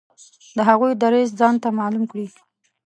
د هغوی دریځ ځانته معلوم کړي.